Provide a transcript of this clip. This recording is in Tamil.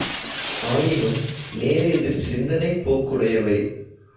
ஆயினும் நேர் எதிர் சிந்தனைப் போக்குடையவை.